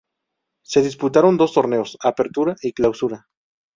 Se disputaron dos torneos: Apertura y Clausura.